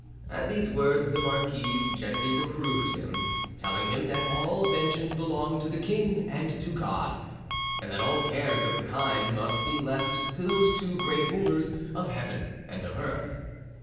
At these words the marquise gently reproved him, telling him that all vengeance belonged to the king and to God, and that all cares of the kind must be left to those two great rulers of heaven and of earth.